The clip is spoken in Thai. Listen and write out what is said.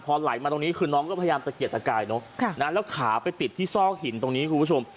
พอไหลมาตรงนี้คือน้องก็พยายามตะเกียดตะกายเนอะแล้วขาไปติดที่ซอกหินตรงนี้คุณผู้ชม